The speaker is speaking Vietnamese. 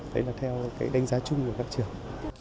đấy là theo cái đánh giá chung của các trường